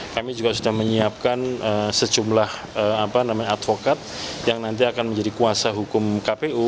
kami juga sudah menyiapkan sejumlah advokat yang nanti akan menjadi kuasa hukum kpu